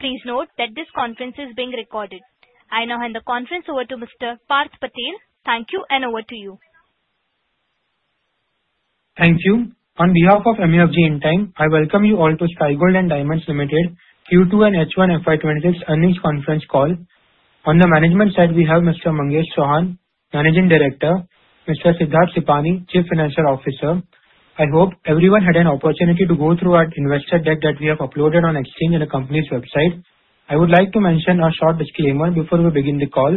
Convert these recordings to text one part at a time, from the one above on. Please note that this conference is being recorded. I now hand the conference over to Mr. Parth Patel. Thank you, and over to you. Thank you. On behalf of MUFG Intime, I welcome you all to Sky Gold & Diamonds Limited, Q2 and H1 FY26 earnings conference call. On the management side, we have Mr. Mangesh Chauhan, Managing Director, Mr. Siddharth Sipani, Chief Financial Officer. I hope everyone had an opportunity to go through our investor deck that we have uploaded on exchange in the company's website. I would like to mention a short disclaimer before we begin the call.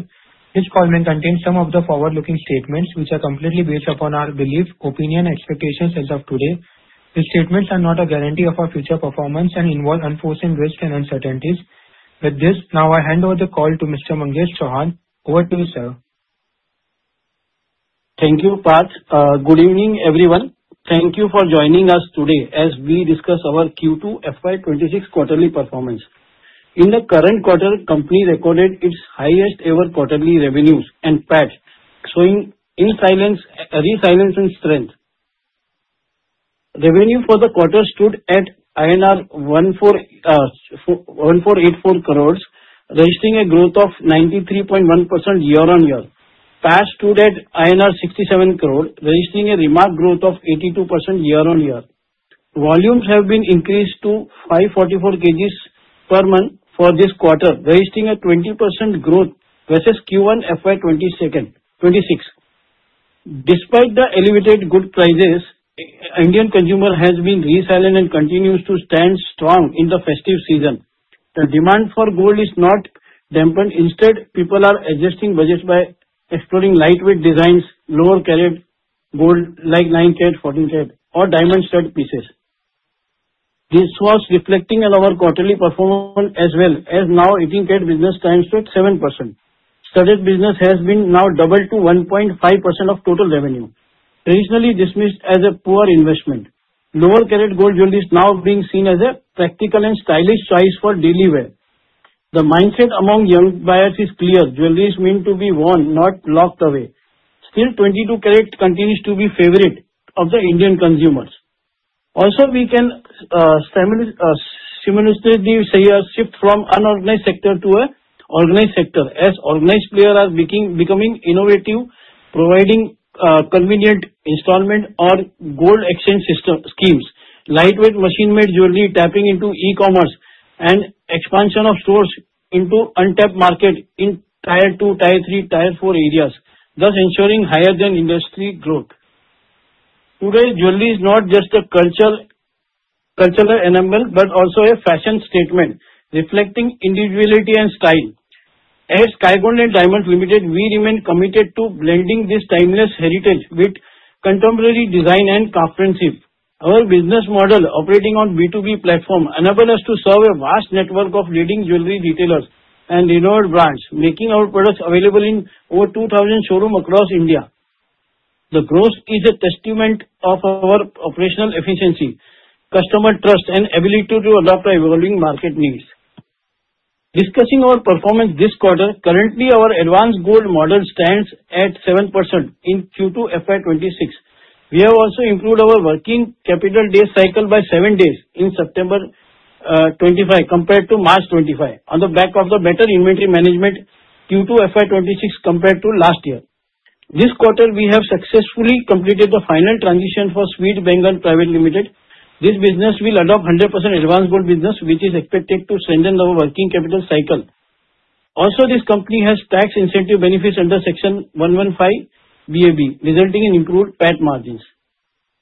This call may contain some of the forward-looking statements, which are completely based upon our belief, opinion, expectations as of today. These statements are not a guarantee of our future performance and involve unforeseen risks and uncertainties. With this, now I hand over the call to Mr. Mangesh Chauhan. Over to you, sir. Thank you, Parth. Good evening, everyone. Thank you for joining us today as we discuss our Q2 FY2026 quarterly performance. In the current quarter, company recorded its highest ever quarterly revenues and PAT, showing resilience and strength. Revenue for the quarter stood at INR 1,484 crores, registering a growth of 93.1% year-on-year. PAT stood at INR 67 crore, registering a remark growth of 82% year-on-year. Volumes have been increased to 544 kgs per month for this quarter, registering a 20% growth versus Q1 FY2026. Despite the elevated gold prices, Indian consumer has been resilient and continues to stand strong in the festive season. The demand for gold is not dampened. Instead, people are adjusting budgets by exploring lightweight designs, lower carat gold like 9 ct, 14 ct or diamond stud pieces. This was reflecting on our quarterly performance as well, as now 18 ct business stands at 7%. Studded business has been now doubled to 1.5% of total revenue. Originally dismissed as a poor investment, lower carat gold jewelry is now being seen as a practical and stylish choice for daily wear. The mindset among young buyers is clear, jewelry is meant to be worn, not locked away. 22 ct continues to be favorite of the Indian consumers. We can simultaneously say a shift from unorganized sector to a organized sector, as organized players are becoming innovative, providing convenient installment or gold exchange system, schemes, lightweight machine-made jewelry, tapping into e-commerce and expansion of stores into untapped market in tier two, tier three, tier four areas, thus ensuring higher than industry growth. Today, jewelry is not just a culture, cultural enamel, but also a fashion statement reflecting individuality and style. At Sky Gold & Diamonds Limited, we remain committed to blending this timeless heritage with contemporary design and craftsmanship. Our business model, operating on B2B platform, enable us to serve a vast network of leading jewelry retailers and renowned brands, making our products available in over 2,000 showrooms across India. The growth is a testament of our operational efficiency, customer trust and ability to adopt evolving market needs. Discussing our performance this quarter, currently our advance gold model stands at 7% in Q2 FY26. We have improved our working capital day cycle by seven days in September 25, compared to March 25, on the back of the better inventory management, Q2 FY26, compared to last year. This quarter, we have successfully completed the final transition for Sweet Bengal Private Limited. This business will adopt 100% advance gold business, which is expected to strengthen our working capital cycle. This company has tax incentive benefits under Section 115BAB, resulting in improved PAT margins.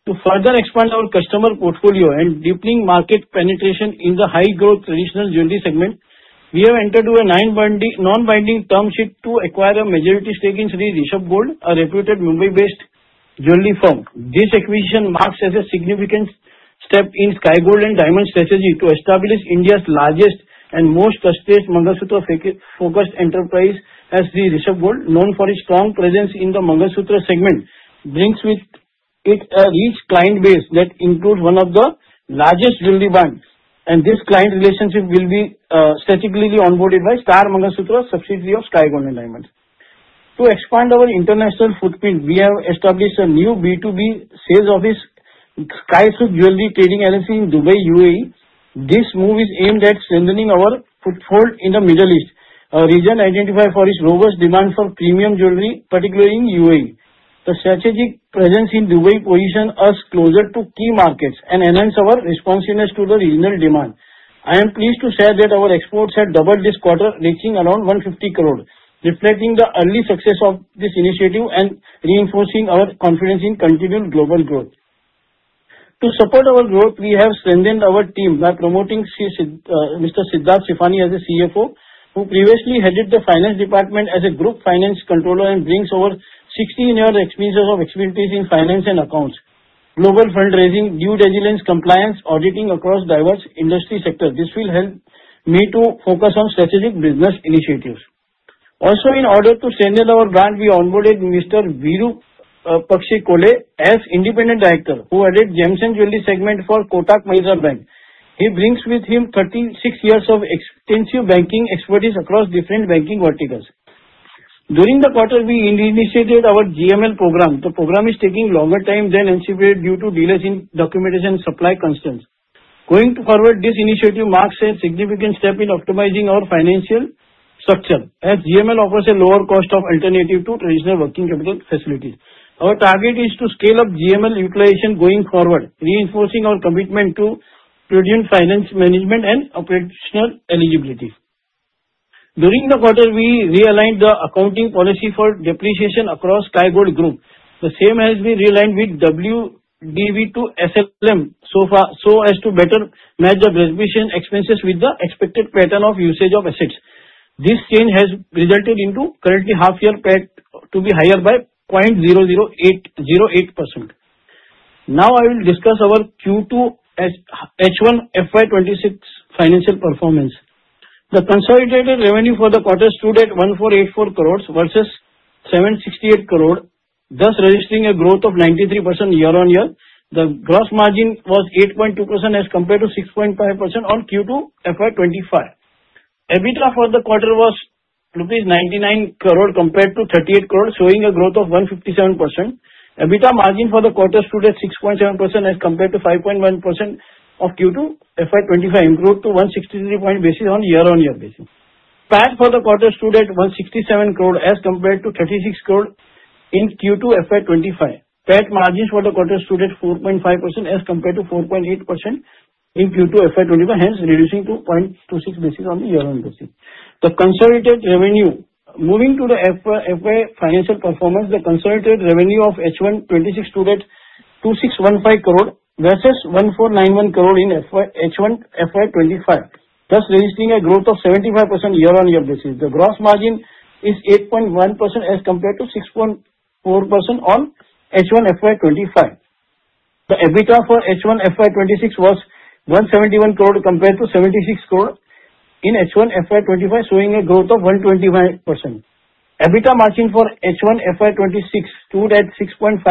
To further expand our customer portfolio and deepening market penetration in the high-growth traditional jewelry segment, we have entered to a non-binding term sheet to acquire a majority stake in Shri Rishabh Gold, a reputed Mumbai-based jewelry firm. This acquisition marks as a Sky Gold & Diamonds strategy to establish India's largest and most trusted mangalsutra focused enterprise as Shri Rishabh Gold, known for its strong presence in the mangalsutra segment, brings with it a rich client base that includes one of the largest jewelry banks. This client relationship will be strategically onboarded by Sky Mangalsutra, Sky Gold & Diamonds. To expand our international footprint, we have established a new B2B sales office, Sky Suit Jewelry Trading LLC in Dubai, UAE. This move is aimed at strengthening our foothold in the Middle East, a region identified for its robust demand for premium jewelry, particularly in UAE. The strategic presence in Dubai position us closer to key markets and enhance our responsiveness to the regional demand. I am pleased to share that our exports have doubled this quarter, reaching around 150 crore, reflecting the early success of this initiative and reinforcing our confidence in continued global growth. To support our growth, we have strengthened our team by promoting Mr. Siddharth Sipani as CFO, who previously headed the finance department as a group finance controller and brings over 16 year experiences of expertise in finance and accounts, global fundraising, due diligence, compliance, auditing across diverse industry sectors. This will help me to focus on strategic business initiatives. In order to strengthen our brand, we onboarded Mr. Virupakshi Kole as Independent Director, who headed gems and jewelry segment for Kotak Mahindra Bank. He brings with him 36 years of extensive banking expertise across different banking verticals. During the quarter, we reinitiated our GML program. The program is taking longer time than anticipated due to delays in documentation, supply constraints. This initiative marks a significant step in optimizing our financial structure, as GML offers a lower cost of alternative to traditional working capital facilities. Our target is to scale up GML utilization going forward, reinforcing our commitment to prudent finance management and operational eligibility. During the quarter, we realigned the accounting policy for depreciation across Sky Gold Group. The same has been realigned with WDV to SLM, so far, so as to better match the reservation expenses with the expected pattern of usage of assets. This change has resulted into currently half year PAT to be higher by 0.00808%. I will discuss our Q2 H1 FY2026 financial performance. The consolidated revenue for the quarter stood at 1,484 crore versus 768 crore, thus registering a growth of 93% year-on-year. The gross margin was 8.2% as compared to 6.5% on Q2 FY25. EBITDA for the quarter was rupees 99 crore compared to 38 crore, showing a growth of 157%. EBITDA margin for the quarter stood at 6.7% as compared to 5.1% of Q2 FY25, improved to 163 point basis on year-on-year basis. PAT for the quarter stood at 167 crore as compared to 36 crore in Q2 FY25. PAT margins for the quarter stood at 4.5% as compared to 4.8% in Q2 FY25, hence reducing to 0.26 basis on year-on-year basis. The consolidated revenue. Moving to the FY financial performance, the consolidated revenue of H1 2026 stood at INR 2,615 crore versus INR 1,491 crore in H1 FY2025, thus registering a growth of 75% year-on-year basis. The gross margin is 8.1% as compared to 6.4% on H1 FY2025. The EBITDA for H1 FY2026 was 171 crore compared to 76 crore in H1 FY2025, showing a growth of 121%. EBITDA margin for H1 FY2026 stood at 6.5%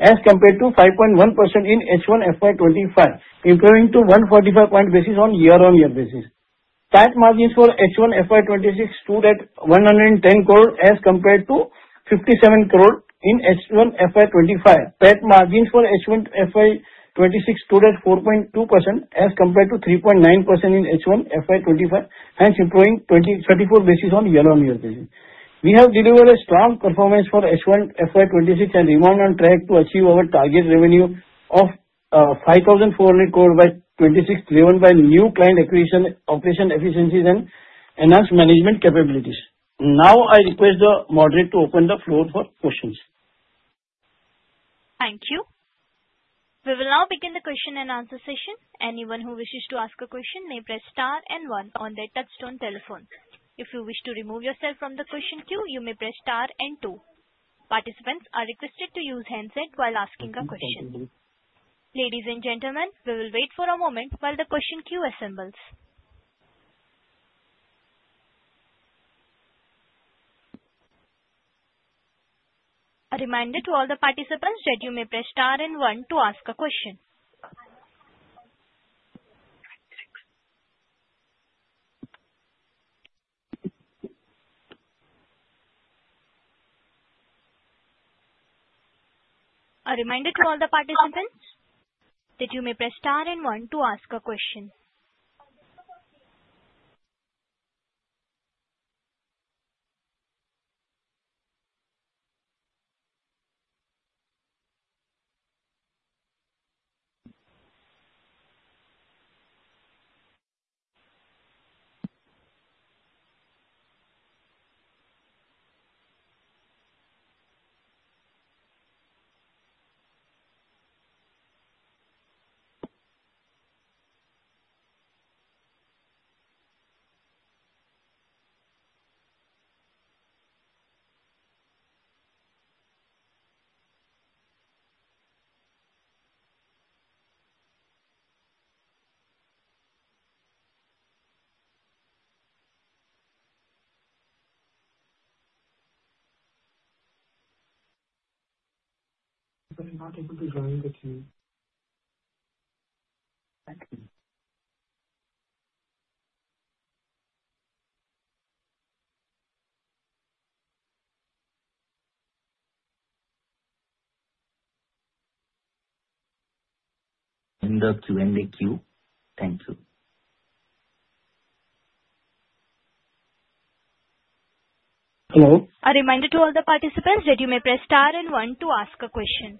as compared to 5.1% in H1 FY2025, improving to 145 basis points on year-on-year basis. PAT margins for H1 FY2026 stood at 110 crore as compared to 57 crore in H1 FY2025. PAT margins for H1 FY26 stood at 4.2%, as compared to 3.9% in H1 FY25, hence improving 20, 34 basis on year-on-year basis. We have delivered a strong performance for H1 FY26 and remain on track to achieve our target revenue of 5,400 crore by 2026, driven by new client acquisition, operation efficiencies, and enhanced management capabilities. Now, I request the moderator to open the floor for questions. Thank you. We will now begin the question and answer session. Anyone who wishes to ask a question may press star and one on their touch-tone telephone. If you wish to remove yourself from the question queue, you may press star and two. Participants are requested to use handset while asking a question. Ladies and gentlemen, we will wait for a moment while the question queue assembles. A reminder to all the participants that you may press star and one to ask a question. A reminder to all the participants that you may press star and one to ask a question. We're not able to join the queue. Thank you. In the Q&A queue. Thank you. Hello. A reminder to all the participants that you may press star and one to ask a question.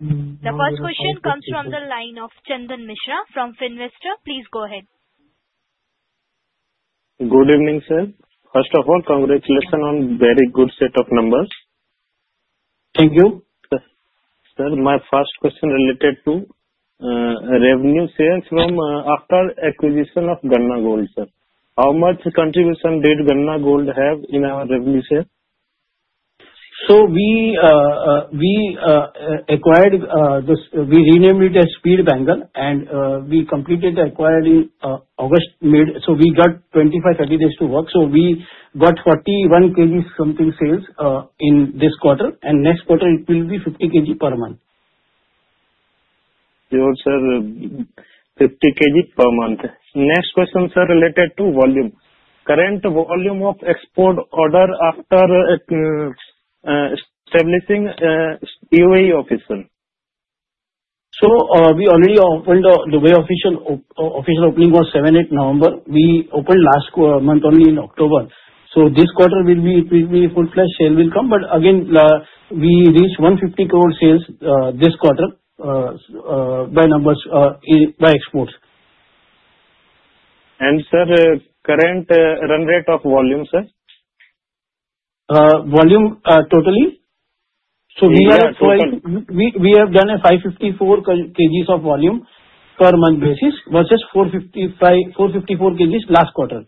The first question comes from the line of Chandan Mishra from Finvestor. Please go ahead. Good evening, sir. First of all, congratulations on very good set of numbers. Thank you. Sir, my first question related to revenue sales from after acquisition of Ganna Gold, sir. How much contribution did Ganna Gold have in our revenue share? We acquired this. We renamed it as Speed Bangle. We completed the acquiring August mid. We got 25, 30 days to work. We got 41 kg something sales in this quarter. Next quarter it will be 50 kg per month. Your sir, 50 kg per month. Next question, sir, related to volume. Current volume of export order after establishing UAE official. We already opened the way official opening was 7th, 8th November. We opened last month only in October. This quarter will be full plus sale will come, we reached 150 crore sales this quarter by numbers in by exports. Sir, current run rate of volume, sir? Volume, totally? Yeah, total. We have done a 554 kgs of volume per month basis versus 455, 454 kgs last quarter.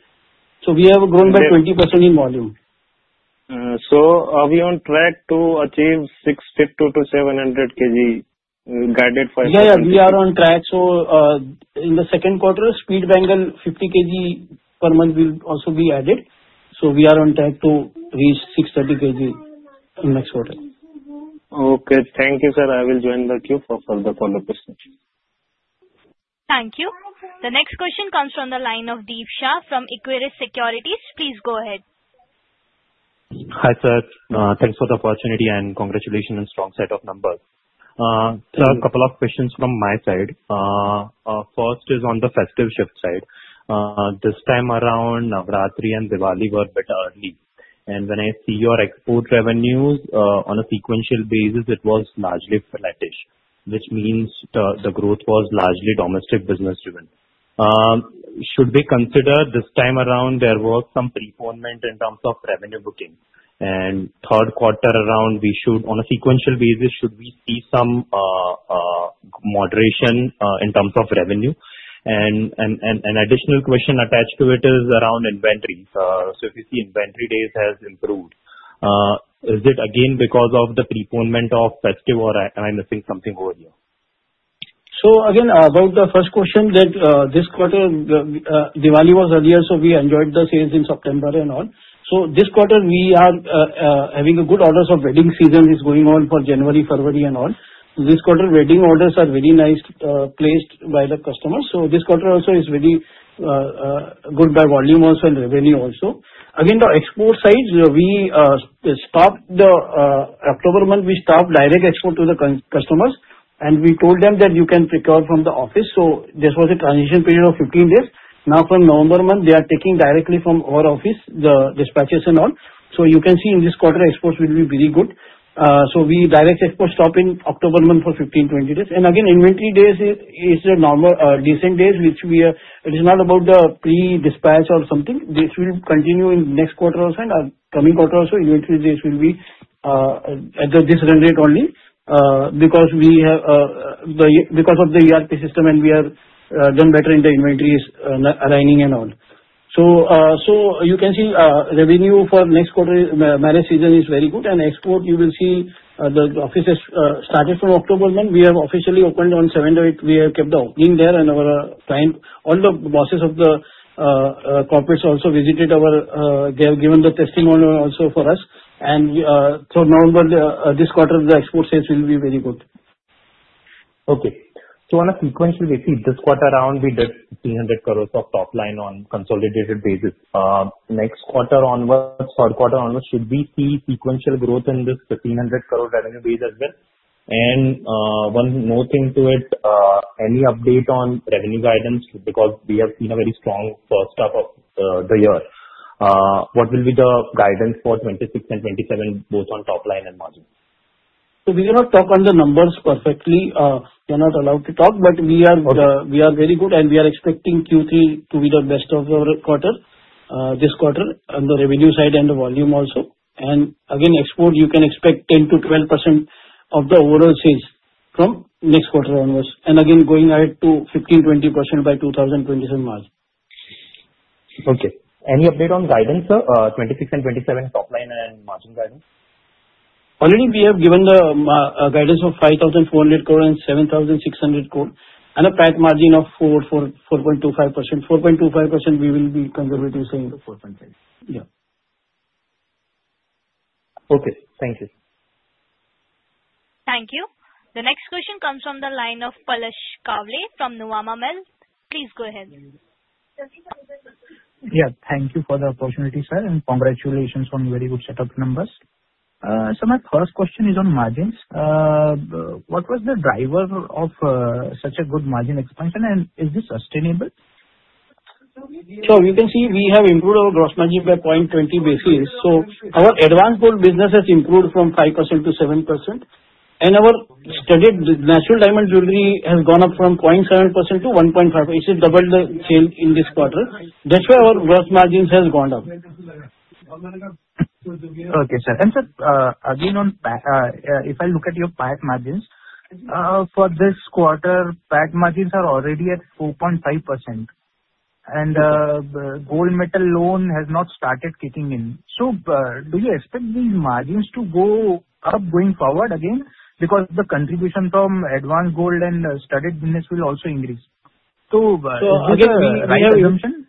We have grown by 20% in volume. Are we on track to achieve 620 to 700 kg? Yeah, we are on track. In the second quarter, Speed Bangle 50 kg per month will also be added, so we are on track to reach 630 kg in next quarter. Thank you, sir. I will join the queue for further follow-up session. Thank you. The next question comes from the line of Deep Shah from Equirus Securities. Please go ahead. Hi, sir. Thanks for the opportunity and congratulations on strong set of numbers. Thank you. Sir, a couple of questions from my side. First is on the festive shift side. This time around, Navratri and Diwali were bit early, and when I see your export revenues, on a sequential basis, it was largely flattish, which means the growth was largely domestic business driven. Should we consider this time around, there was some pre-ponement in terms of revenue booking? Third quarter around, we should, on a sequential basis, should we see some moderation in terms of revenue? An additional question attached to it is around inventory. If you see inventory days has improved, is it again because of the pre-ponement of festive or am I missing something over here? Again, about the first question that this quarter, Diwali was earlier, so we enjoyed the sales in September and on. This quarter we are having a good orders of wedding season is going on for January, February and on. This quarter, wedding orders are very nice placed by the customers. This quarter also is very good by volume also and revenue also. Again, the export side, we stopped the October month, we stopped direct export to the customers, and we told them that you can procure from the office. This was a transition period of 15 days. Now, from November month, they are taking directly from our office, the dispatches and all. You can see in this quarter, exports will be very good. We direct export stop in October month for 15, 20 days. Again, inventory days is a normal, decent days, which it is not about the pre-dispatch or something. This will continue in next quarter also and coming quarter also. Inventory days will be at this run rate only because we have the ERP system and we have done better in the inventories aligning and on. You can see revenue for next quarter. Marriage season is very good. Export, you will see the offices starting from October month. We have officially opened on seventh or eighth. We have kept the opening there and our client, all the bosses of the corporates also visited our. They have given the testimony also for us. November, this quarter, the export sales will be very good. Okay. On a sequential basis, this quarter around, we did 300 crore of top line on consolidated basis. Next quarter onwards, third quarter onwards, should we see sequential growth in this 1,500 crore revenue base as well? One more thing to it, any update on revenue guidance? We have seen a very strong first half of the year. What will be the guidance for 2026 and 2027, both on top line and margin? We cannot talk on the numbers perfectly, we are not allowed to talk, but. Okay. We are very good, and we are expecting Q3 to be the best of our quarter, this quarter, on the revenue side and the volume also. Export, you can expect 10%-12% of the overall sales from next quarter onwards, and again going ahead to 15%-20% by 2027 March. Any update on guidance for 2026 and 2027 top line and margin guidance? Already we have given the guidance of 5,400 crore and 7,600 crore, and a PAT margin of 4.25%. 4.25%, we will be conservative, saying the 4.5%. Yeah. Okay, thank you. Thank you. The next question comes from the line of Palash Kavale from Nuvama. Please go ahead. Yeah, thank you for the opportunity, sir, and congratulations on very good set of numbers. My first question is on margins. What was the driver of such a good margin expansion, and is this sustainable? You can see we have improved our gross margin by 0.20 basis. Our advanced gold business has improved from 5% to 7%, and our studied natural diamond jewelry has gone up from 0.7% to 1.5%. It is double the sale in this quarter. That's why our gross margins has gone up. Okay, sir. Sir, again, on PAT, if I look at your PAT margins, for this quarter, PAT margins are already at 4.5%, and gold metal loan has not started kicking in. Do you expect these margins to go up going forward again? Because the contribution from advanced gold and studied business will also increase. Is that the right assumption?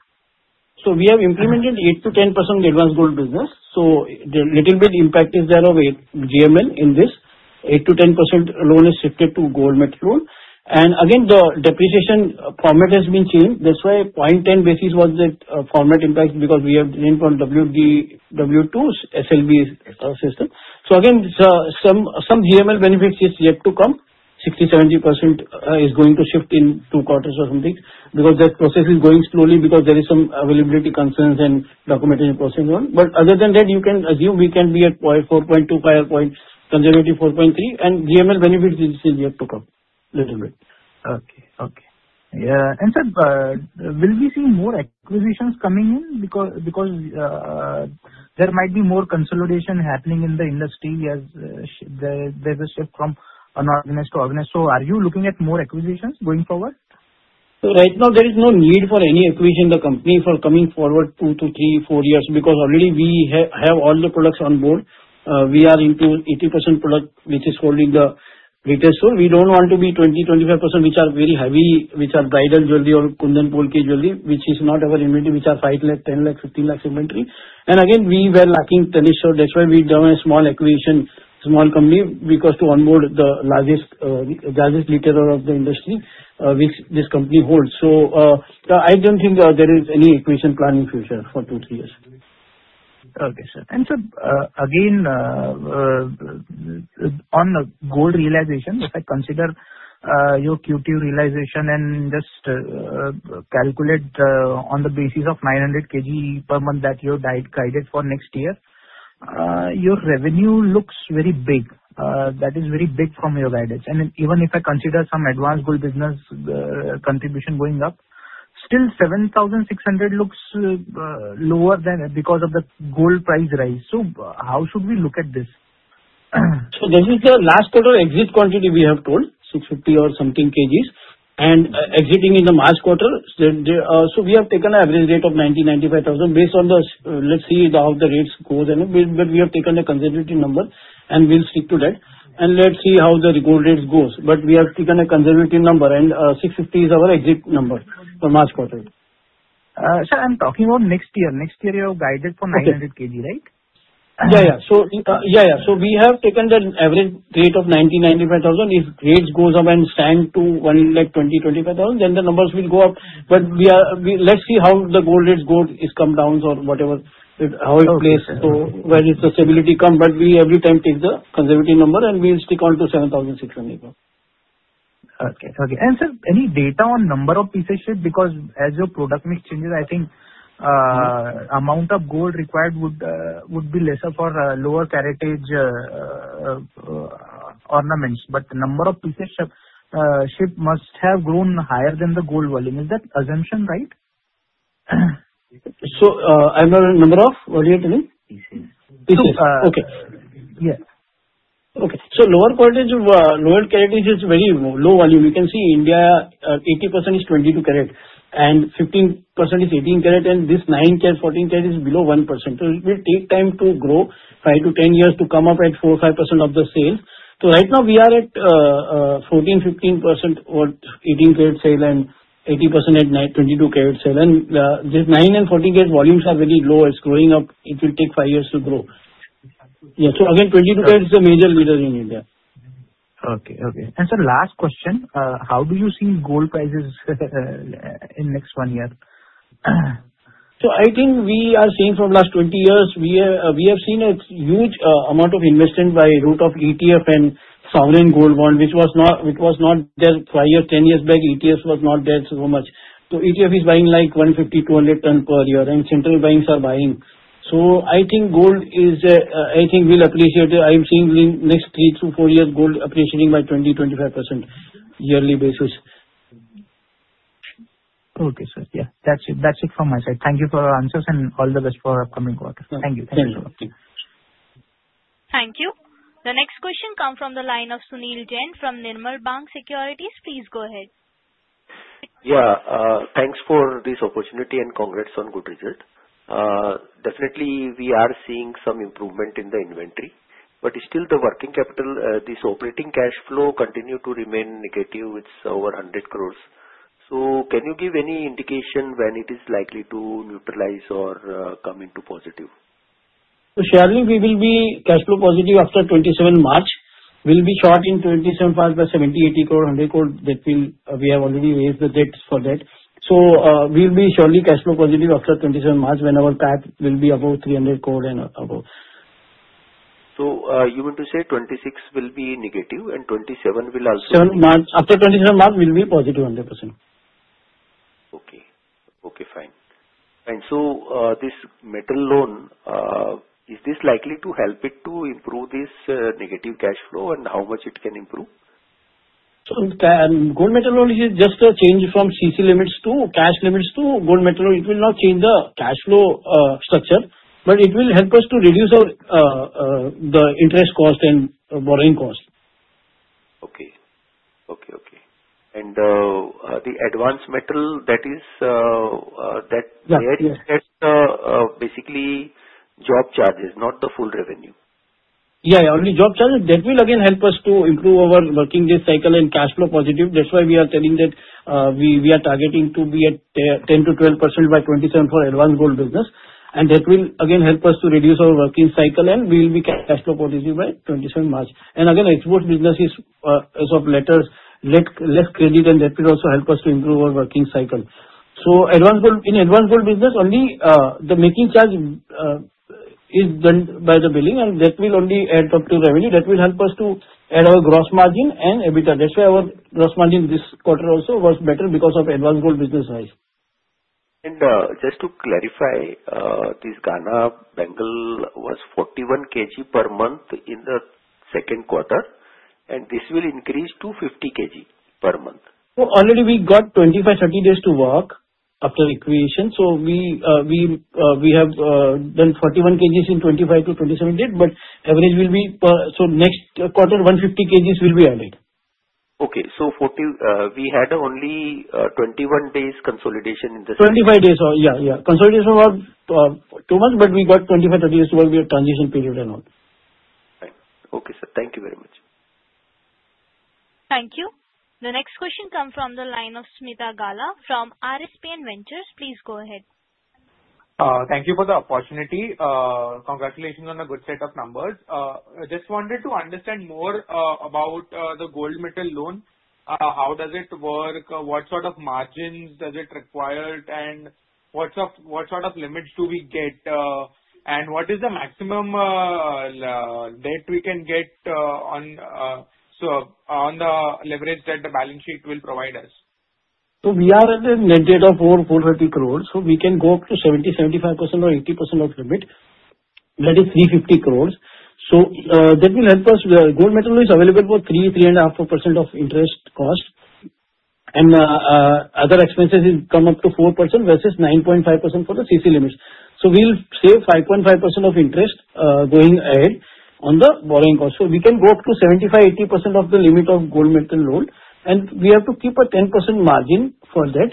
We have implemented 8%-10% advance gold business. The little bit impact is there of GML in this. 8%-10% loan is shifted to gold metal loan. Again, the depreciation format has been changed. That's why 0.10 basis was the format impact, because we have leaned on WDV to SLM system. Again, some GML benefits is yet to come. 60%-70% is going to shift in two quarters or something, because that process is going slowly because there is some availability concerns and documentation process going on. Other than that, you can assume we can be at 4.25 points, conservative 4.3 points, and GML benefits is still yet to come, little bit. Okay. Yeah, and sir, will we see more acquisitions coming in? Because there might be more consolidation happening in the industry as there is a shift from unorganized to organized. Are you looking at more acquisitions going forward? Right now, there is no need for any acquisition in the company for coming forward two to three, four years, because already we have all the products on board. We are into 80% product, which is holding the retail store. We don't want to be 20%, 25%, which are very heavy, which are bridal jewelry or Kundan Polki Jewellery, which is not our inventory, which are 5 lakh, 10 lakh, 15 lakh inventory. Again, we were lacking [the niche], so that's why we done a small acquisition, small company, because to onboard the largest retailer of the industry, which this company holds. I don't think there is any acquisition plan in future for two, three years. Okay, sir. Sir, again, on the gold realization, if I consider your Q2 realization and just calculate on the basis of 900 kg per month that you guided for next year, your revenue looks very big, that is very big from your guidance. Even if I consider some advanced gold business, contribution going up, still 7,600 looks lower than because of the gold price rise. How should we look at this? This is the last quarter exit quantity we have told, 650 or something kgs, and exiting in the March quarter. We have taken an average rate of 90,000-95,000 based on the. Let's see how the rates go, then we have taken a conservative number, and we'll stick to that, and let's see how the gold rates goes. We have taken a conservative number, and 650 is our exit number for March quarter. Sir, I'm talking about next year. Next year, you have guided for 900 kg, right? Yeah. We have taken the average rate of 90,000-95,000. If rates goes up and stand to 1,20,000-1,25,000, then the numbers will go up. Let's see how the gold rates go, it's come down or whatever, how it plays. Okay. When the stability come, but we every time take the conservative number, and we'll stick on to 7,600. Okay. Sir, any data on number of pieces shipped? As your product mix changes, I think, amount of gold required would be lesser for lower caratage ornaments, number of pieces shipped must have grown higher than the gold volume. Is that assumption right? I remember number of, what you are telling? Pieces. Pieces. Okay. Yeah. Okay. Lower caratage, lower caratage is very low volume. You can see India, 80% is 22 ct, 15% is 18 ct, this 9 ct, 14 ct is below 1%. It will take time to grow, five to 10 years to come up at 4%, 5% of the sales. Right now we are at 14%, 15% on 18 ct sale 80% at 9, 22 ct sale. This 9ct and 14 ct volumes are very low. It's growing up, it will take five years to grow. Again, 22 ct is the major leader in India. Okay, okay. Sir, last question, how do you see gold prices in next 1 year? I think we are seeing from last 20 years, we have seen a huge amount of investment by route of ETF and Sovereign Gold Bond, which was not there five years, 10 years back. ETFs was not there so much. ETF is buying like 150 tons-200 tons per year, and central banks are buying. I think gold is, I think will appreciate it. I am seeing in next three to four years, gold appreciating by 20%-25% yearly basis. Okay, sir. That's it from my side. Thank you for your answers and all the best for upcoming quarter. Thank you. Thank you. Thank you. The next question come from the line of Sunil Jain from Nirmal Bang Securities. Please go ahead. Yeah, thanks for this opportunity and congrats on good result. Definitely we are seeing some improvement in the inventory, but still the working capital, this operating cash flow continue to remain negative. It's over 100 crores. Can you give any indication when it is likely to neutralize or come into positive? Surely we will be cash flow positive after 27 March. We'll be short in 27 March by 70 crore, 80 crore, 100 crore. That will, we have already raised the dates for that. We'll be surely cash flow positive after 27 March, when our cap will be above 300 crore and above. You want to say 26 will be negative and 27 will also be... Seven March, after 27 March, we'll be positive 100%. Okay. Okay, fine. This metal loan is this likely to help it to improve this negative cash flow, and how much it can improve? Gold Metal Loan is just a change from CC limits to cash limits to gold metal. It will not change the cash flow, structure, but it will help us to reduce our, the interest cost and borrowing cost. Okay. Okay, okay. The advanced metal, that is. Yeah, yeah. That's the, basically job charges, not the full revenue? Yeah, only job channel, that will again help us to improve our working day cycle and cash flow positive. That's why we are telling that we are targeting to be at 10%-12% by 27 for advanced gold business, and that will again help us to reduce our working cycle and we will be cash flow positive by 27 March. Again, export business is as of later, less credit and that will also help us to improve our working cycle. Advanced gold, in advanced gold business, only the making charge is done by the billing, and that will only add up to revenue, that will help us to add our gross margin and EBITDA. That's why our gross margin this quarter also was better because of advanced gold business-wise. Just to clarify, this Ganna Bangle was 41 kg per month in the second quarter, and this will increase to 50 kg per month? Already we got 25, 30 days to work after acquisition. We have done 41 kgs in 25-27 date, but average will be per... Next quarter, 150 kgs will be added. Okay. 14, we had only, 21 days consolidation in the- 25 days, yeah. Consolidation was, two months, but we got 25 days where we had transition period and all. Right. Okay, sir. Thank you very much. Thank you. The next question come from the line of Smith Gala from RSPN Ventures. Please go ahead. Thank you for the opportunity. Congratulations on a good set of numbers. I just wanted to understand more about the gold metal loan. How does it work? What sort of margins does it require? What sort of limits do we get? What is the maximum debt we can get on so on the leverage that the balance sheet will provide us? We are in the net debt of 450 crores, we can go up to 70%-75% or 80% of limit, that is 350 crores. That will help us, where gold metal is available for 3%-3.5% of interest cost, and other expenses will come up to 4% versus 9.5% for the CC limits. We'll save 5.5% of interest going ahead on the borrowing cost. We can go up to 75%-80% of the limit of gold metal loan, and we have to keep a 10% margin for that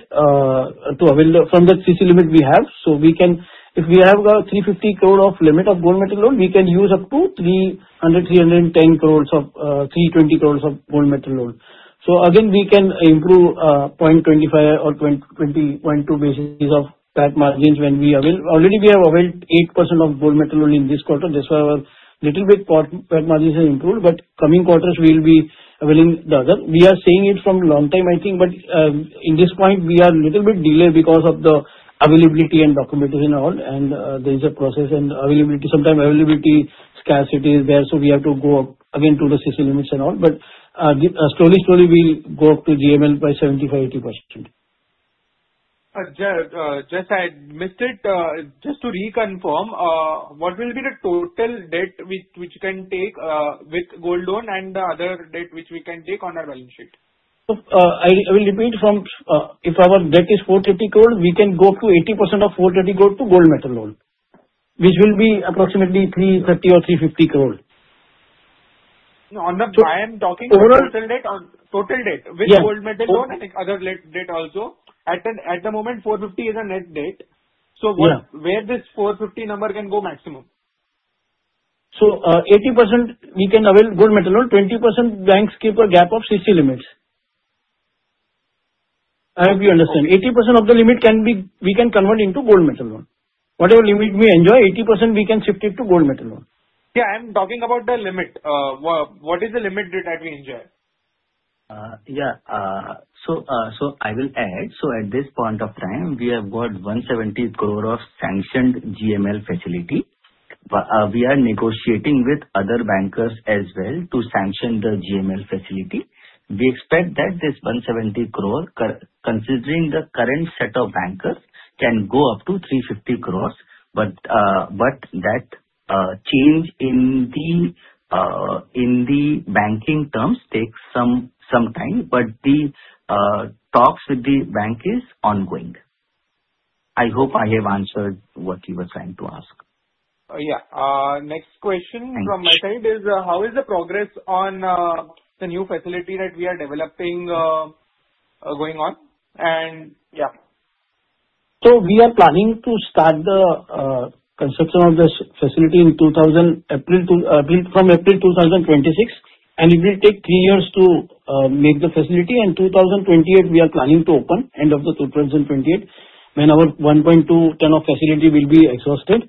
to avail from the CC limit we have. We can, if we have 350 crore of limit of gold metal loan, we can use up to 300 310 crore of, 320 crore of gold metal loan. Again, we can improve 0.25 or 0.2 basis of that margins when we avail. Already we have availed 8% of gold metal loan in this quarter. That's why our little bit that margins have improved, but coming quarters, we will be availing the other. We are saying it from long time, I think, but, in this point, we are little bit delayed because of the availability and documentation and all, and, there is a process and availability, sometime availability scarcity is there, so we have to go up again to the CC limits and all. slowly, we go up to GML by 75, 80%. Just I missed it. Just to reconfirm, what will be the total debt which can take with gold loan and the other debt which we can take on our balance sheet? I will repeat from, if our debt is 450 crore, we can go up to 80% of 450 crore to gold metal loan, which will be approximately 330 crore or 350 crore. On the- So- I am talking about- Total total debt. Yeah. With gold metal loan and other debt also. At the moment, 450 is a net debt. Yeah. where this 450 number can go maximum? 80% we can avail gold metal moan, 20% banks keep a gap of CC limits. I hope you understand. 80% of the limit We can convert into gold metal loan. Whatever limit we enjoy, 80% we can shift it to gold metal loan. Yeah, I'm talking about the limit. What is the limit that we enjoy? Yeah. I will add. At this point of time, we have got 170 crore of sanctioned GML facility. We are negotiating with other bankers as well to sanction the GML facility. We expect that this 170 crore, considering the current set of bankers, can go up to 350 crore, that change in the banking terms takes some time, the talks with the bank is ongoing. I hope I have answered what you were trying to ask. Yeah. Next question. Thank you. From my side is, how is the progress on the new facility that we are developing, going on? Yeah. We are planning to start the construction of this facility in April 2026, and it will take three years to make the facility. In 2028, we are planning to open, end of the 2028, when our 1.2 ton of facility will be exhausted.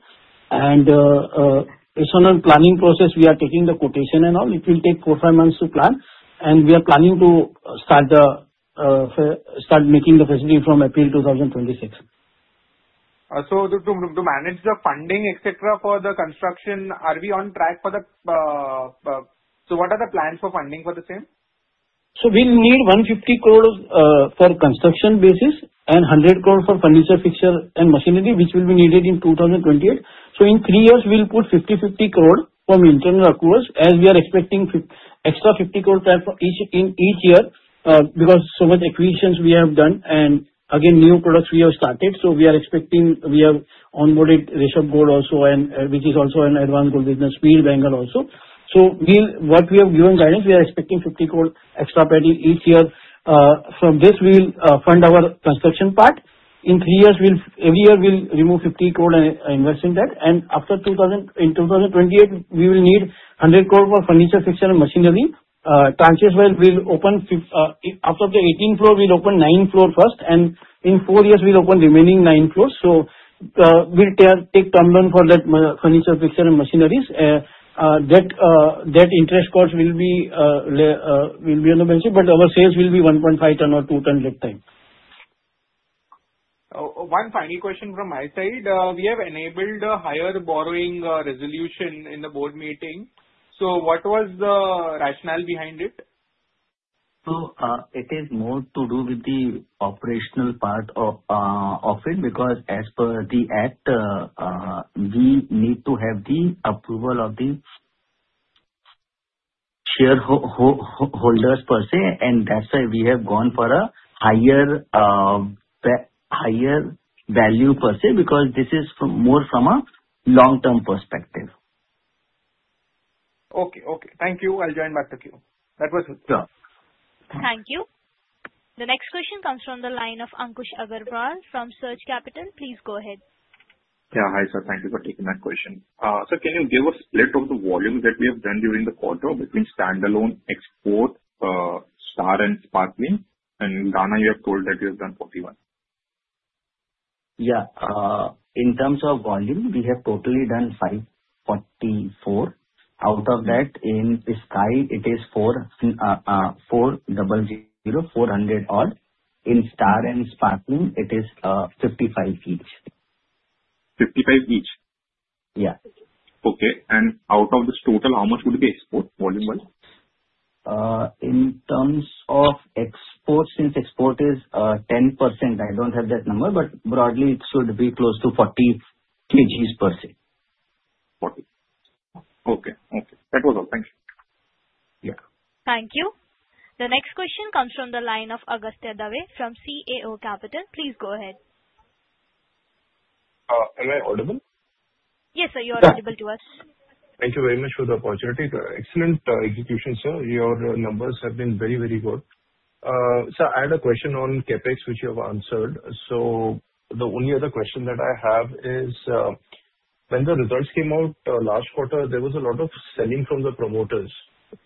Personal planning process, we are taking the quotation and all, it will take four to five months to plan, and we are planning to start making the facility from April 2026. To manage the funding, et cetera, for the construction, are we on track for the? What are the plans for funding for the same? We'll need 150 crore for construction basis and 100 crore for furniture, fixture and machinery, which will be needed in 2028. In three years, we'll put 50 crore from internal across, as we are expecting 50 crore cap for each, in each year, because so much acquisitions we have done and again, new products we have started. We are expecting, we have onboarded Shri Rishabh Gold also and, which is also an advance gold model, Wheel Bengal also. What we have given guidance, we are expecting 50 crore extra profit each year. From this, we'll fund our construction part. In three years, we'll, every year we'll remove 50 crore and invest in that, and in 2028, we will need 100 crore for furniture, fixture, and machinery. That is when we'll open after the 18 floor, we'll open nine floor first, and in four years we'll open remaining nine floors. we'll take term loan for that furniture, fixture and machineries. that interest cost will be on the bench, but our sales will be 1.5 ton or 2 ton that time. One final question from my side. We have enabled a higher borrowing resolution in the board meeting, so what was the rationale behind it? It is more to do with the operational part of it, because as per the Act, we need to have the approval of the shareholders per se, and that's why we have gone for a higher value per se, because this is from, more from a long-term perspective. Okay. Okay, thank you. I'll join back the queue. That was it. Yeah. Thank you. The next question comes from the line of Ankush Agrawal from Surge Capital. Please go ahead. Yeah. Hi, sir. Thank you for taking my question. Sir, can you give a split of the volume that we have done during the quarter between standalone export, Star and Sparkling? Ganna, you have told that you have done 41. Yeah. In terms of volume, we have totally done 544. Out of that, in Sky it is 400 odd. In Star and Sparkling, it is 55 each. 55 each? Yeah. Okay. Out of this total, how much would be export volume-wise? In terms of export, since export is 10%, I don't have that number, but broadly it should be close to 40 kgs per se. 40. Okay, okay. That was all. Thank you. Yeah. Thank you. The next question comes from the line of Agastya Dave from CAO Capital. Please go ahead. Am I audible? Yes, sir, you are audible to us. Thank you very much for the opportunity. Excellent execution, sir. Your numbers have been very, very good. Sir, I had a question on CapEx, which you have answered. The only other question that I have is, when the results came out, last quarter, there was a lot of selling from the promoters.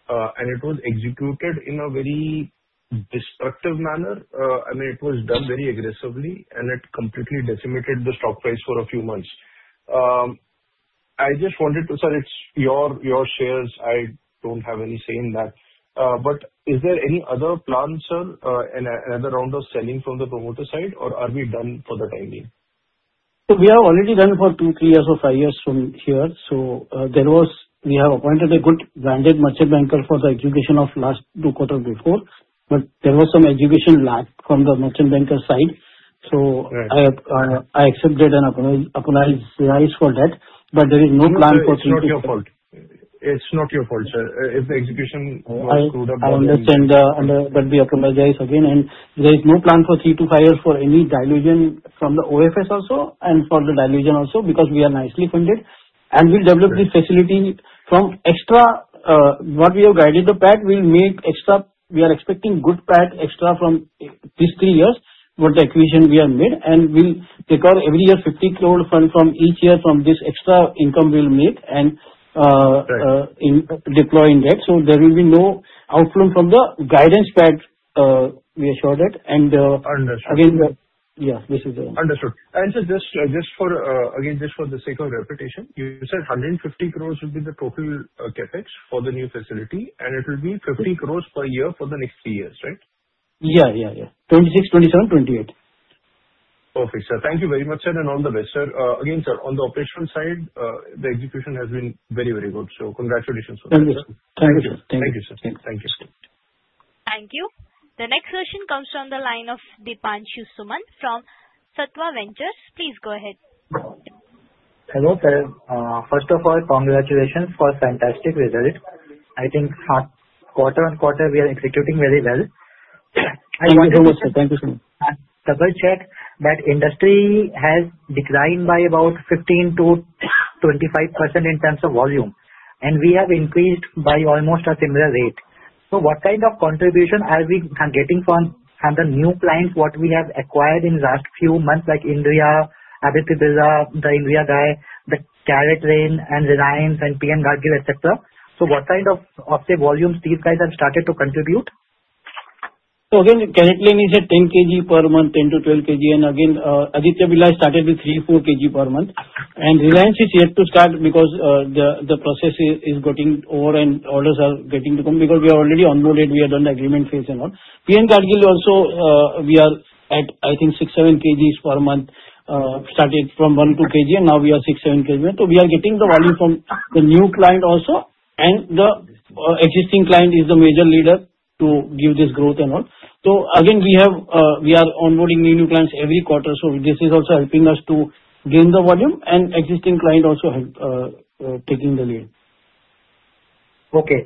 It was executed in a very distractive manner. It was done very aggressively and it completely decimated the stock price for a few months. Sir, it's your shares, I don't have any say in that. Is there any other plan, sir, another round of selling from the promoter side, or are we done for the time being? We have already done for two, three years or five years from here. We have appointed a good branded merchant banker for the execution of last two quarter before, but there was some execution lack from the merchant banker side. Right. I accept that and apologize for that, but there is no plan for... It's not your fault. It's not your fault, sir. If the execution, screwed up. I understand. We apologize again, and there is no plan for three to five years for any dilution from the OFS also, and for the dilution also, because we are nicely funded. Right. We'll develop this facility from extra, what we have guided the PAT, we'll make extra. We are expecting good PAT extra from these three years with the acquisition we have made, and we'll take out every year 50 crore fund from each year from this extra income we'll make. Right In deploying that. There will be no outflow from the guidance PAT, we assure that. Understood. Again, the... Yeah, this is the... Understood. Just, just for, again, just for the sake of repetition, you said 150 crores will be the total Capex for the new facility, and it will be 50 crores per year for the next three years, right? Yeah, yeah. 26, 27, 28. Perfect, sir. Thank you very much, sir, and all the best. Sir, again, sir, on the operational side, the execution has been very, very good. Congratulations on that. Thank you, sir. Thank you, sir. Thank you, sir. Thank you. The next question comes from the line of Deepanshu Suman from Sattva Ventures. Please go ahead. Hello, sir. First of all, congratulations for fantastic result. I think half quarter-on-quarter, we are executing very well. Thank you very much, sir. Thank you, sir. Double check, that industry has declined by about 15%-25% in terms of volume, and we have increased by almost a similar rate. What kind of contribution are we getting from the new clients, what we have acquired in last few months, like Indriya, Aditya Birla, The Indriya Guy, the CaratLane, and Reliance and P N Garg, et cetera. What kind of the volumes these guys have started to contribute? Again, CaratLane is at 10 kg per month, 10-12 kg, Aditya Birla started with three to four kg per month. Reliance is yet to start because the process is getting over and orders are getting to come, because we are already onboarded, we have done the agreement phase and all. P N Garg also, we are at, I think, six to seven kg per month, started from one to two kg and now we are six to seven kg. We are getting the volume from the new client also, and the existing client is the major leader to give this growth and all. We have, we are onboarding new clients every quarter, this is also helping us to gain the volume and existing client also help taking the lead. Okay.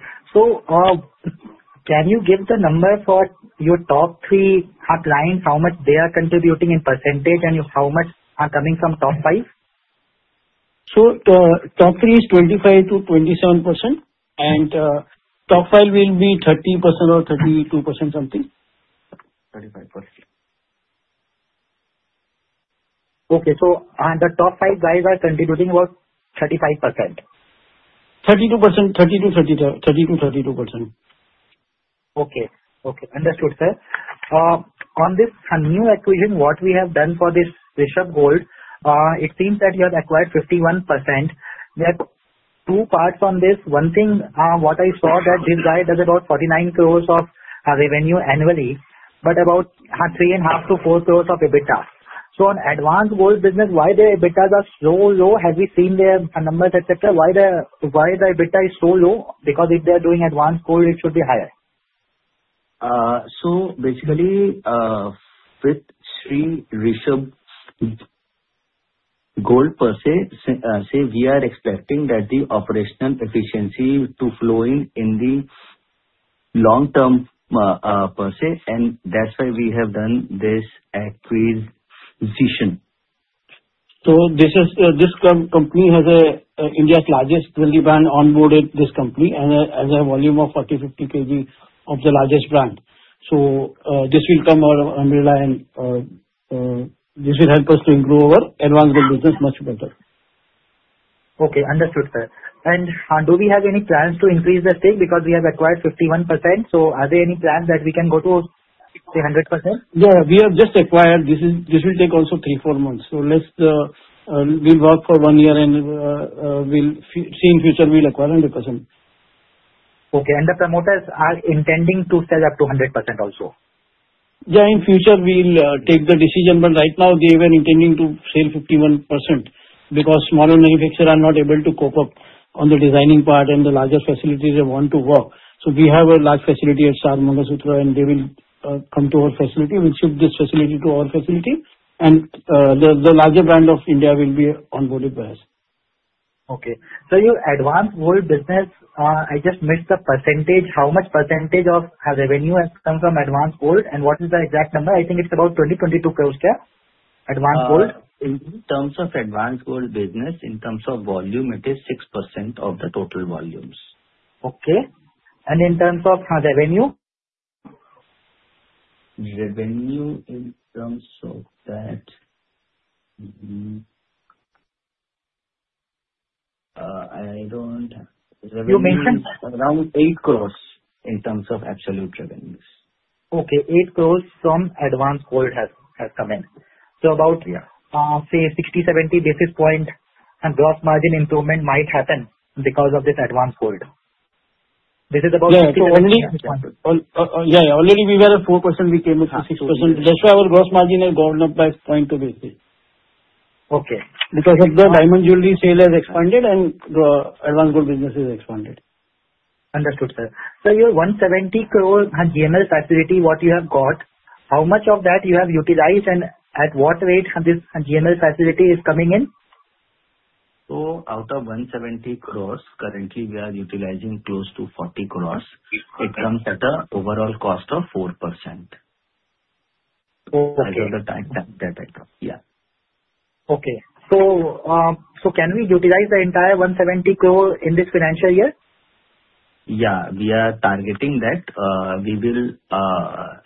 can you give the number for your top three clients, how much they are contributing in percentage and how much are coming from top five? Top three is 25%-27%, and top five will be 30% or 32%, something. 35%. Okay. The top five guys are contributing what? 35%. 32%. 32%, 32%-35%. Okay. Okay, understood, sir. On this new acquisition, what we have done for this Rishabh Gold, it seems that you have acquired 51%. There are two parts on this. One thing, what I saw that this guy does about 49 crores of revenue annually, but about 3.5-4 crores of EBITDA. On Advance Gold business, why the EBITDAs are so low? Have we seen their numbers, et cetera? Why the EBITDA is so low? Because if they are doing Advance Gold, it should be higher. Basically, with Sri Rishabh Gold per se, say we are expecting that the operational efficiency to flow in the long term, per se, that's why we have done this acquisition. This is, this company has India's largest jewelry brand on board in this company, and as a volume of 40 kg, 50 kg of the largest brand. This will come under our umbrella, and, this will help us to improve our Advance Gold business much better. Okay, understood, sir. Do we have any plans to increase the stake? Because we have acquired 51%, are there any plans that we can go to, say, 100%? Yeah, we have just acquired. This will take also three, four months. Let's we work for one year and we'll see in future we'll acquire 100%. Okay, the promoters are intending to sell up to 100% also? In future we'll take the decision. Right now they were intending to sell 51%, because small manufacturers are not able to cope up on the designing part and the larger facilities they want to work. We have a large facility at Sar Mangalsutra, and they will come to our facility. We'll shift this facility to our facility, and the larger brand of India will be onboarded by us. Your Advance Gold business, I just missed the percentage. How much percentage of our revenue has come from Advance Gold? What is the exact number? I think it's about 20 crores-22 crores there, Advance Gold. In terms of Advance Gold business, in terms of volume, it is 6% of the total volumes. Okay. In terms of our revenue? Revenue, in terms of that... Mm-hmm. You mentioned- Around 8 crore in terms of absolute revenues. Okay, 8 crores from Advance Gold has come in. So about- Yeah. say 60, 70 basis point and gross margin improvement might happen because of this Advance Gold. This is about. Only already we were at 4%, we came up to 6%. That's why our gross margin has gone up by 0.2 basis. Okay. Because of the diamond jewelry sale has expanded and the Advance Gold business has expanded. Understood, sir. Your 170 crore GML facility, what you have got, how much of that you have utilized, and at what rate this GML facility is coming in? Out of 170 crores, currently we are utilizing close to 40 crores. Okay. It comes at a overall cost of 4%. Okay. At the time that came. Yeah. Okay. so can we utilize the entire 170 crore in this financial year? Yeah, we are targeting that. We will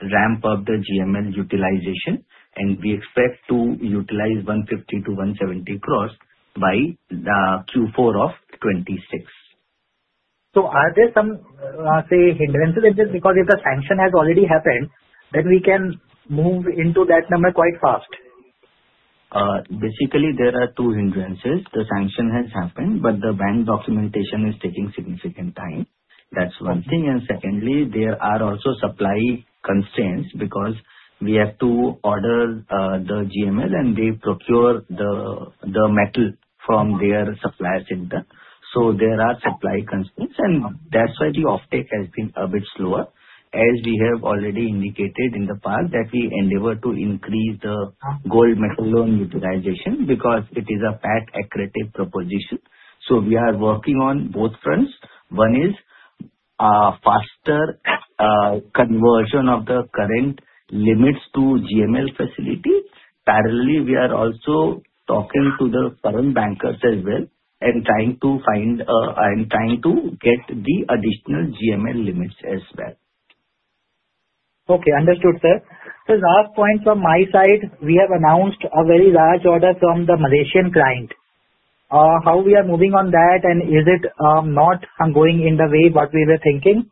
ramp up the GML utilization, and we expect to utilize 150 crore-170 crore by the Q4 of 2026. Are there some, say, hindrances in this? Because if the sanction has already happened, then we can move into that number quite fast. Basically there are two hindrances. The sanction has happened, but the bank documentation is taking significant time. That's one thing. Okay. Secondly, there are also supply constraints, because we have to order the GML and they procure the metal from their suppliers in the. There are supply constraints. Okay. That's why the offtake has been a bit slower, as we have already indicated in the past, that we endeavor to increase the- Okay. Gold metal loan utilization, because it is a PAC accredited proposition. We are working on both fronts. One is, faster conversion of the current limits to GML facility. Parallelly, we are also talking to the current bankers as well, and trying to get the additional GML limits as well. Okay, understood, sir. Last point from my side, we have announced a very large order from the Malaysian client. How we are moving on that, is it not going in the way what we were thinking?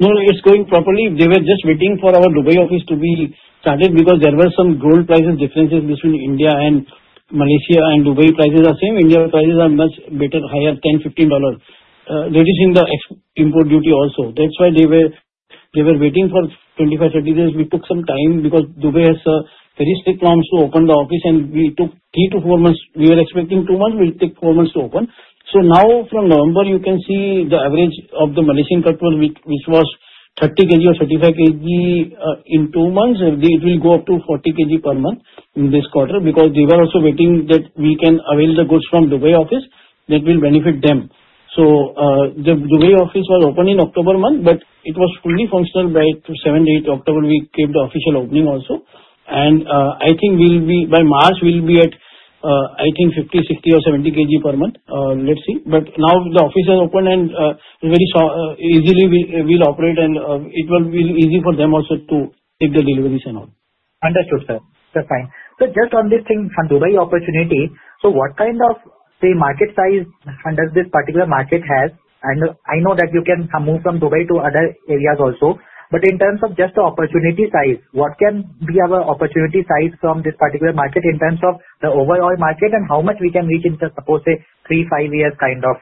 No, it's going properly. We were just waiting for our Dubai office to be started, because there were some gold prices differences between India and Malaysia, and Dubai prices are same. India prices are much better, higher, $10-$15. Reducing the import duty also. That's why they were waiting for 25-30 days. We took some time, because Dubai has very strict norms to open the office, and we took three to four months. We were expecting two months, we took four months to open. Now from November, you can see the average of the Malaysian cargo, which was 30 kg or 35 kg, in two months, it will go up to 40 kg per month in this quarter. Because they were also waiting that we can avail the goods from Dubai office, that will benefit them. The Dubai office was open in October month, but it was fully functional by 7th, 8th October, we kept the official opening also. I think we will be, by March, we'll be at, I think 50 kg, 60 kg or 70 kg per month. Let's see. Now the office has opened and very easily we'll operate, and it will be easy for them also to take the deliveries and all. Understood, sir. That's fine. Just on this thing, on Dubai opportunity, what kind of, say, market size under this particular market has? I know that you can move from Dubai to other areas also, but in terms of just the opportunity size, what can be our opportunity size from this particular market in terms of the overall market, and how much we can reach into, suppose, say, three, five-year kind of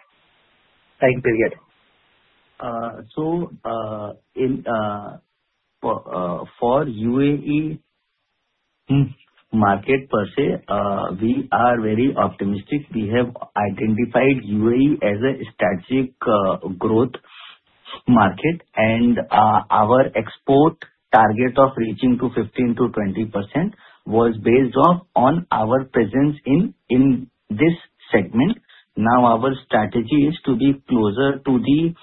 time period? For UAE market per se, we are very optimistic. We have identified UAE as a strategic growth market, our export target of reaching to 15%-20% was based off on our presence in this segment. Our strategy is to be closer to the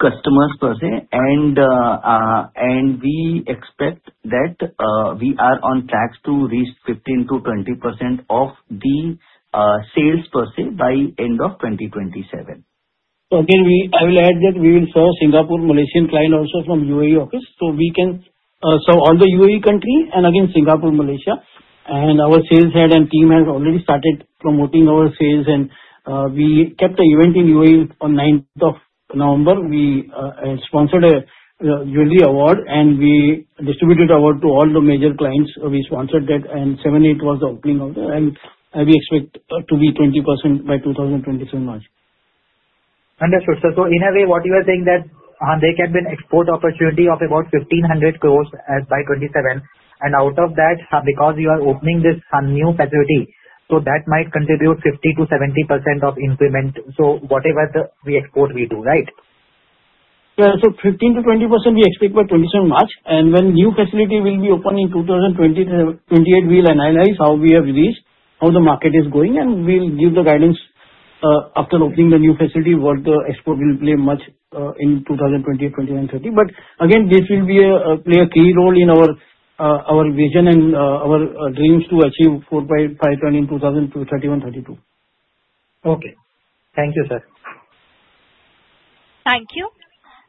customers per se, we expect that we are on track to reach 15%-20% of the sales per se by end of 2027. Again, I will add that we will serve Singapore, Malaysian client also from UAE office, so we can serve all the UAE country and again Singapore, Malaysia. Our sales head and team has already started promoting our sales and we kept an event in UAE on 9th of November. We sponsored a yearly award, and we distributed award to all the major clients. We sponsored that, and 7th, 8th was the opening of the... We expect to be 20% by 2027 March. Understood, sir. In a way, what you are saying that, there can be an export opportunity of about 1,500 crores as by 2027, and out of that, because you are opening this, new facility, so that might contribute 50%-70% of increment. Whatever the we export, we do, right? 15%-20% we expect by 2027 March. When new facility will be open in 2028, we'll analyze how we have reached, how the market is going, and we'll give the guidance after opening the new facility, what the export will play much in 2020, 2021, 2030. Again, this will be a play a key role in our vision and our dreams to achieve 4, 5 ton in 2031-2032. Okay. Thank you, sir. Thank you.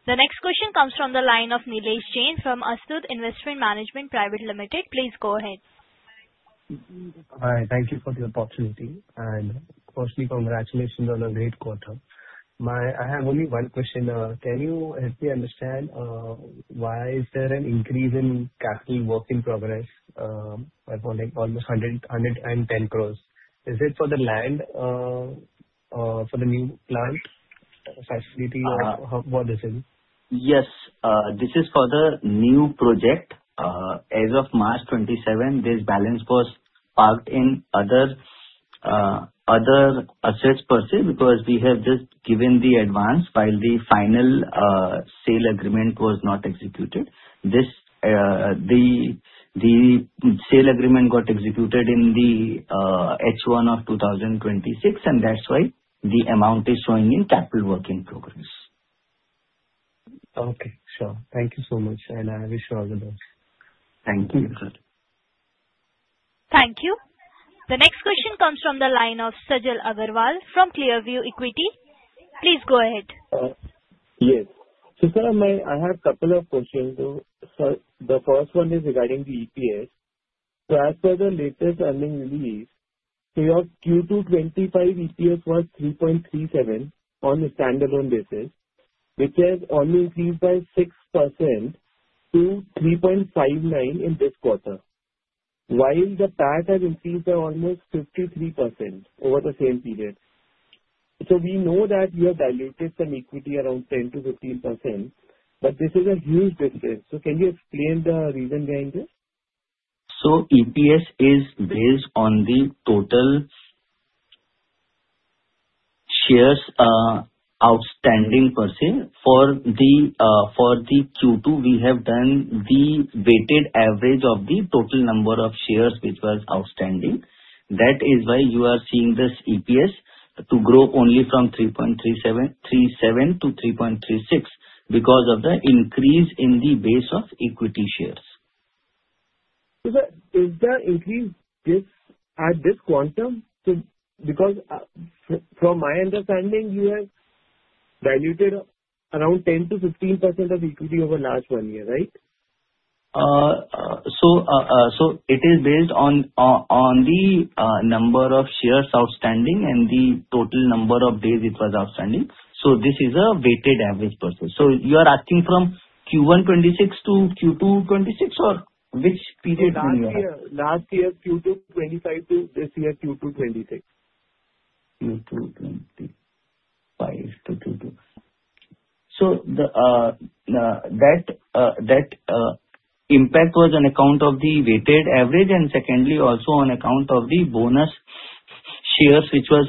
The next question comes from the line of Nilesh Jain from Astute Investment Management Private Limited. Please go ahead. Hi, thank you for the opportunity and firstly, congratulations on a great quarter. I have only one question. Can you help me understand, why is there an increase in capital work in progress, by almost 100, 110 crores? Is it for the land, for the new plant, facility, or what is it? Yes, this is for the new project. As of March 27, this balance was parked in other assets per se, because we have just given the advance while the final, sale agreement was not executed. This, the sale agreement got executed in the H1 of 2026, that's why the amount is showing in capital work in progress. Okay, sure. Thank you so much, and I wish you all the best. Thank you. Thank you. The next question comes from the line of Sajal Agarwal from Clearview Equity. Please go ahead. Yes. Sir, I have a couple of questions. The first one is regarding the EPS. As per the latest earnings release, your Q2 2025 EPS was 3.37 on a standalone basis, which has only increased by 6% to 3.59 in this quarter, while the PAT has increased by almost 53% over the same period. We know that you have diluted some equity around 10%-15%, but this is a huge difference. Can you explain the reason behind this? EPS is based on the total shares outstanding per se. For the Q2, we have done the weighted average of the total number of shares which was outstanding. That is why you are seeing this EPS to grow only from 3.37 to 3.36, because of the increase in the base of equity shares. Sir, is the increase this, at this quantum? Because, from my understanding, you have diluted around 10%-15% of equity over the last one year, right? It is based on the number of shares outstanding and the total number of days it was outstanding. This is a weighted average per se. You are asking from Q1 26 to Q2 26, or which period are you asking? Last year, Q2 2025 to this year, Q2 2026. Q2 2025-2022. The impact was on account of the weighted average, and secondly, also on account of the bonus shares, which was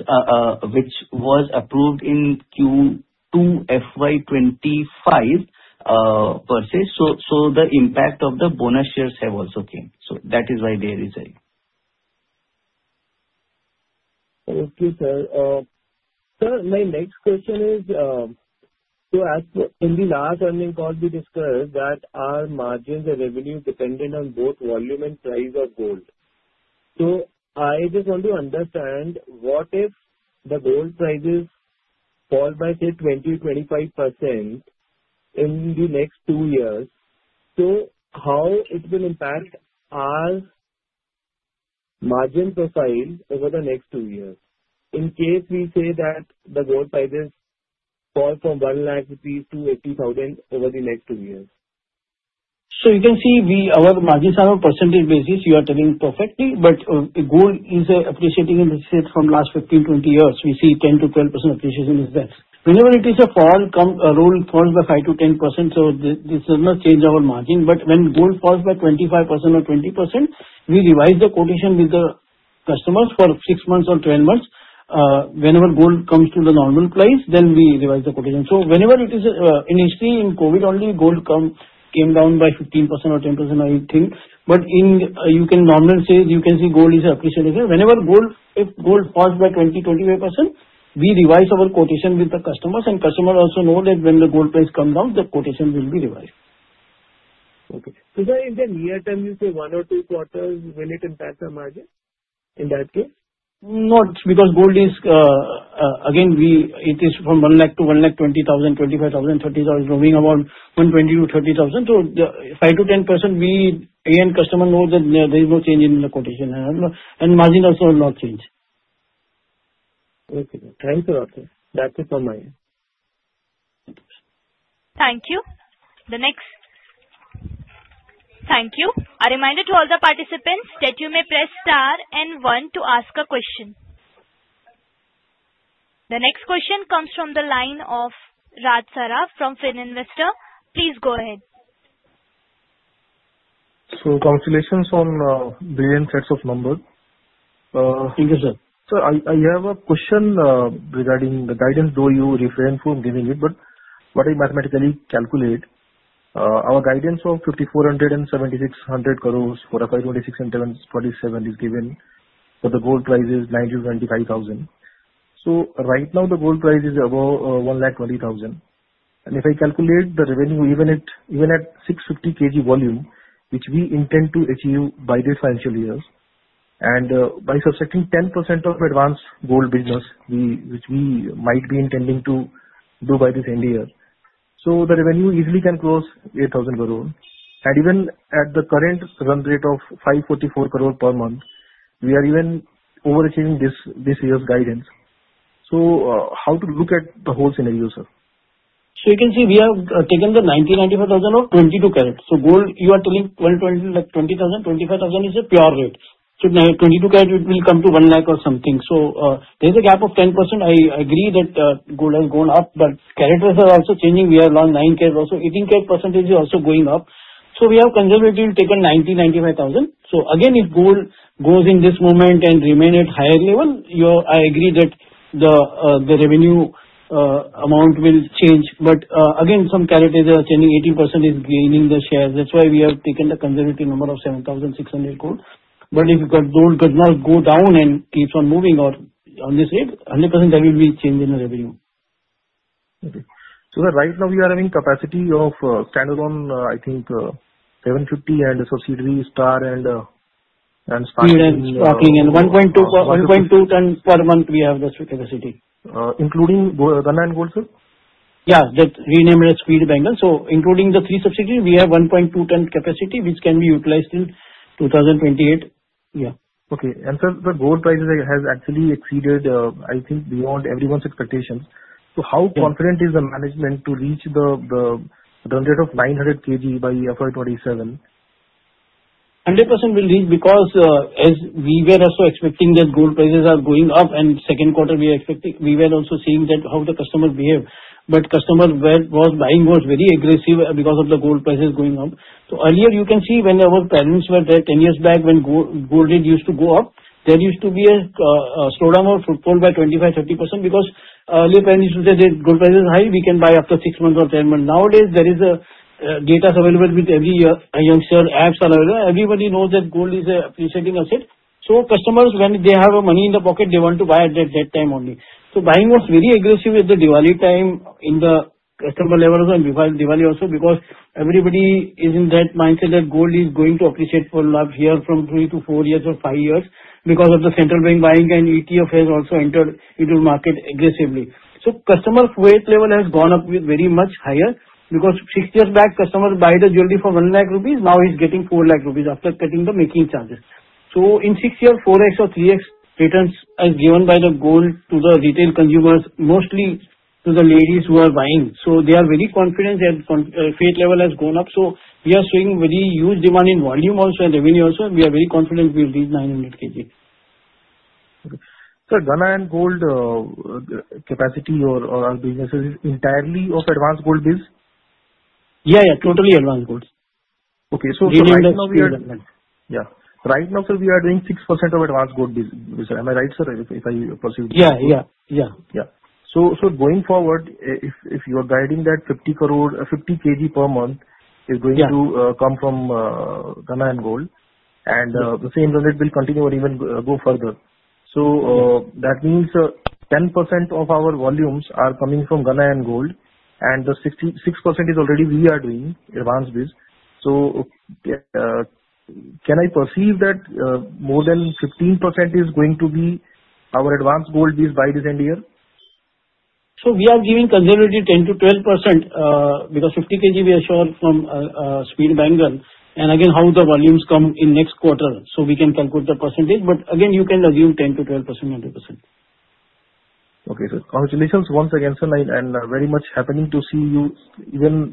which was approved in Q2 FY2025, per se. The impact of the bonus shares have also came. That is why there is a. Okay, sir. Sir, my next question is, as in the last earnings call, we discussed that our margins and revenue dependent on both volume and price of gold. I just want to understand, what if the gold prices fall by, say, 20%-25% in the next two years, how it will impact our margin profile over the next two years? In case we say that the gold prices fall from 1 lakh rupees to 80,000 over the next two years. You can see our margins are on percentage basis, you are telling perfectly, gold is appreciating in the sales from last 15, 20 years. We see 10%-12% appreciation is there. Whenever it is a fall, gold falls by 5%-10%, this does not change our margin. When gold falls by 25% or 20%, we revise the quotation with the customers for six months or 12 months. Whenever gold comes to the normal price, we revise the quotation. Whenever it is, initially in COVID only, gold came down by 15% or 10%, I think. You can normally say, you can see gold is appreciating. Whenever gold, if gold falls by 20-25%, we revise our quotation with the customers. Customers also know that when the gold price comes down, the quotation will be revised. Okay. That is the near term, you say one or two quarters when it impacts our margin, in that case? Not because gold is, again, it is from 1 lakh to 1.20 lakh, 25,000, 30,000, moving around 1.20 lakh to 1.30 lakh. The 5%-10%, we, and customer know that there is no change in the quotation, and margin also will not change. Okay. Thank you, [okay]. That's it from my end. Thank you. Thank you. A reminder to all the participants that you may press star and one to ask a question. The next question comes from the line of Raj Saraf from Finvestor. Please go ahead. Congratulations on brilliant sets of numbers. Thank you, sir. Sir, I have a question regarding the guidance, though you refrained from giving it, but what I mathematically calculate, our guidance of 5,400 crore and 7,600 crore for a 5.6 and 10.47 is given, for the gold price is 90,000-95,000. Right now the gold price is above 1.20 lakh. If I calculate the revenue, even at 650 kg volume, which we intend to achieve by this financial year, and by subtracting 10% of Advance Gold business, which we might be intending to do by this end year. The revenue easily can close 8,000 crore. Even at the current run rate of 544 crore per month, we are even overachieving this year's guidance. How to look at the whole scenario, sir? You can see we have taken the 90,000-95,000 of 22 ct. Gold, you are telling 12, 20, like 20,000-25,000 is a pure rate. 22 ct, it will come to 1 lakh or something. There is a gap of 10%. I agree that gold has gone up, but carats are also changing. We have now 9 ct, also 18 ct percentage is also going up. We have conservatively taken 90,000-95,000. Again, if gold goes in this moment and remain at higher level, your... I agree that the revenue amount will change, but again, some carats are changing, 18% is gaining the share. That's why we have taken the conservative number of 7,600 gold. If the gold does not go down and keeps on moving on this rate, 100% there will be change in the revenue. Okay. Right now we are having capacity of, standalone, I think, 750 and subsidiary star and. 1.2 tons per month we have the capacity. including Ganna Gold, sir? Yeah, that's renamed as Speed Bangles. Including the three subsidiaries, we have 1.2 ton capacity, which can be utilized in 2028. Yeah. Okay. Sir, the gold prices has actually exceeded, I think beyond everyone's expectations. How confident is the management to reach the target of 900 kg by FY 2027? 100% we'll reach because as we were also expecting that gold prices are going up, Second quarter we are expecting, we were also seeing that how the customers behave. Customers was buying very aggressive because of the gold prices going up. Earlier you can see when our parents were there, 10 years back, when gold used to go up, there used to be a slowdown of gold by 25%, 30% because parents used to say that gold price is high, we can buy after six months or 10 months. Nowadays, there is data available with every youngster, apps are available. Everybody knows that gold is an appreciating asset. Customers, when they have money in the pocket, they want to buy at that time only. Buying was very aggressive at the Diwali time in the customer level and before Diwali also, because everybody is in that mindset that gold is going to appreciate for next year, from three to four years or five years, because of the central bank buying and ETF has also entered into market aggressively. Customer faith level has gone up with very much higher, because six years back, customers buy the jewelry for 1 lakh rupees, now he's getting 4 lakh rupees after cutting the making charges. In six years, 4x or 3x returns as given by the gold to the retail consumers, mostly to the ladies who are buying. They are very confident and faith level has gone up. We are seeing very huge demand in volume also and revenue also. We are very confident we will reach 900 kg. Sir, Ganna Gold capacity or businesses is entirely of Advance Gold biz? Yeah, yeah, totally Advance Gold. Okay, right now we. Giving the speed and then. Yeah. Right now, sir, we are doing 6% of Advance Gold business. Am I right, sir, if I perceive? Yeah, yeah. Yeah. Going forward, if you are guiding that 50 crore, 50 kg per month. Yeah. Is going to come from Ganna Gold, and the same rate will continue or even go further. That means 10% of our volumes are coming from Ganna Gold, and the 66% is already we are doing, Advance biz. Can I perceive that more than 15% is going to be our Advance Gold biz by this end year? We are giving conservatively 10%-12%, because 50 kg we are sure from Speed Bangle, and again, how the volumes come in next quarter, so we can conclude the percentage. You can assume 10%-12%, 100%. Okay, sir. Congratulations once again, sir, and very much happening to see you even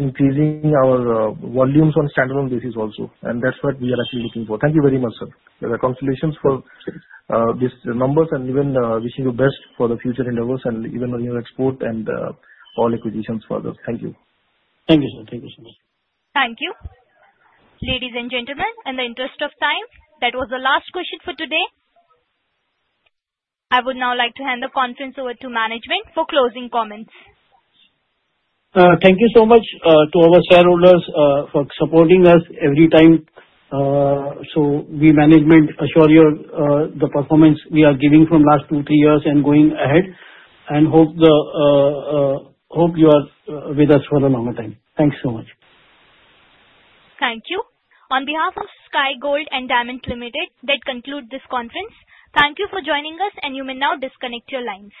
increasing our volumes on standalone basis also, and that's what we are actually looking for. Thank you very much, sir. Congratulations for these numbers and even wishing you best for the future endeavors and even on your export and all acquisitions further. Thank you. Thank you, sir. Thank you so much. Thank you. Ladies and gentlemen, in the interest of time, that was the last question for today. I would now like to hand the conference over to management for closing comments. Thank you so much to our shareholders for supporting us every time. We management assure you the performance we are giving from last two, three years and going ahead, and hope you are with us for a longer time. Thank you so much. Thank you. On behalf of Sky Gold & Diamonds Limited, that conclude this conference. Thank you for joining us, and you may now disconnect your lines.